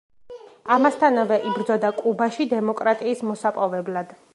ამასთანავე იბრძოდა კუბაში დემოკრატიის მოსაპოვებლად.